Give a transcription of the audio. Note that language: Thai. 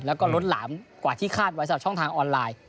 แล้วก็ล้นหลามกว่าที่คาดไว้สำหรับช่องทางออนไลน์